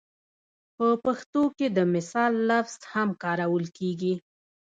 په پښتو کې د مثال لفظ هم کارول کېږي